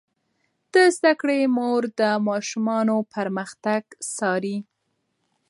د زده کړې مور د ماشومانو پرمختګ څاري.